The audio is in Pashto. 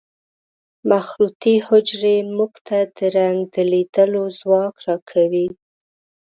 مخروطي حجرې موږ ته د رنګ د لیدلو ځواک را کوي.